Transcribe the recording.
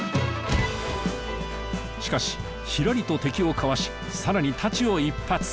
しかしひらりと敵をかわしさらに太刀を一発！